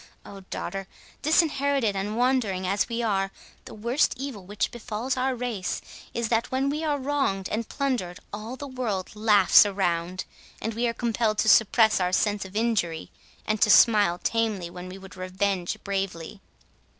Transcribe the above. —O, daughter, disinherited and wandering as we are, the worst evil which befalls our race is, that when we are wronged and plundered, all the world laughs around, and we are compelled to suppress our sense of injury, and to smile tamely, when we would revenge bravely."